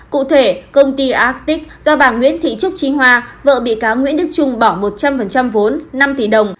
cụ thể công ty astic do bà nguyễn thị trúc trí hoa vợ bị cáo nguyễn đức trung bỏ một trăm linh vốn năm tỷ đồng